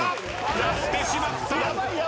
やってしまった！